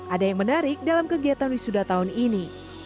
ada yang menarik dalam kegiatan wisuda tahun ini